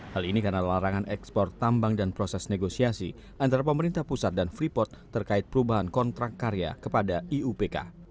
hal ini karena larangan ekspor tambang dan proses negosiasi antara pemerintah pusat dan freeport terkait perubahan kontrak karya kepada iupk